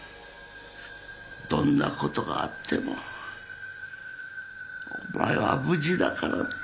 どんなことがあってもお前は無事だからね。